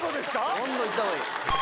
どんどんいったほうがいい。